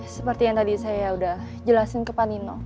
seperti yang tadi saya udah jelasin ke panino